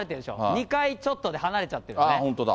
２回ちょっとで離れちゃってるん本当だ。